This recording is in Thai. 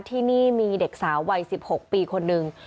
ที่นี่มีเด็กสาววัย๑๖ปีคนนึง